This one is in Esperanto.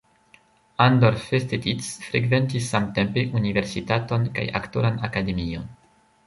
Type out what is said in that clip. Andor Festetics frekventis samtempe universitaton kaj aktoran akademion.